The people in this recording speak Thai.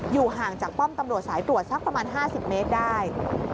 อยู่ห่างจากป้อมตำลวจสายตรวจสักประมาณห้าสิบเมตรได้